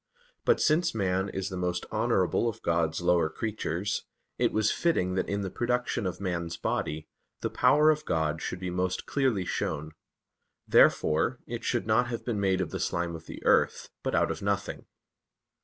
But since man is the most honorable of God's lower creatures, it was fitting that in the production of man's body, the power of God should be most clearly shown. Therefore it should not have been made of the slime of the earth, but out of nothing.